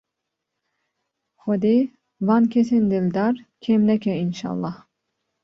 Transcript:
Xweda van kesên dildar kêm neke înşellah.